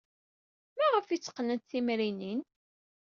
Maɣef ay tteqqnent timrinin?